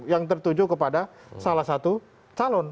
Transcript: yang tertuju kepada salah satu calon